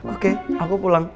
oke aku pulang